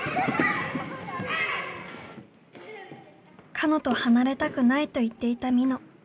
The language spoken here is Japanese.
「かのと離れたくない」と言っていたみの。